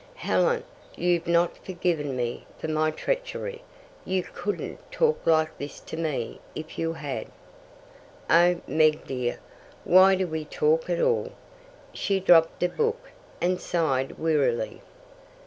"Helen, you've not forgiven me for my treachery. You COULDN'T talk like this to me if you had." "Oh, Meg dear, why do we talk at all?" She dropped a book and sighed wearily.